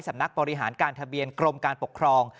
สำนักบริหารการทะเบียนกรมการปกครอง